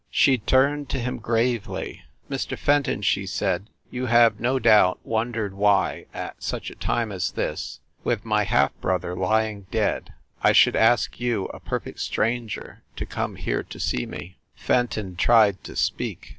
She turned to him gravely. "Mr. Fenton," she said, "you have no doubt wondered why, at such a time as this, with my half brother lying dead, I should ask you, a perfect stranger, to come here to see me." Fenton tried to speak.